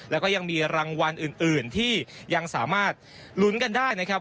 แล้วก็ยังมีรางวัลอื่นที่ยังสามารถลุ้นกันได้นะครับ